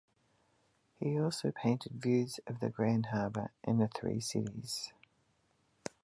He also painted views of the Grand Harbour and the Three Cities.